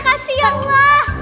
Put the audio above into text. makasih ya allah